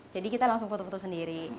jadi kita langsung foto foto sendiri